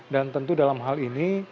dan tentu dalam hal ini